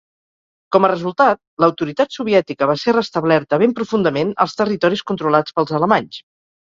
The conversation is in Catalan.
Com a resultat, l'autoritat soviètica va ser restablerta ben profundament als territoris controlats pels alemanys.